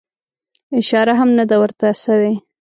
اشاره هم نه ده ورته سوې.